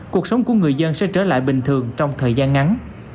cuộc sống của người dân sẽ trở lại bình thường trong thời gian ngắn